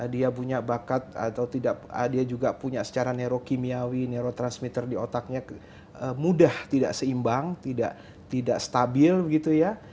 dia punya bakat atau tidak dia juga punya secara neuro kimiawi neuro transmitter di otaknya mudah tidak seimbang tidak stabil gitu ya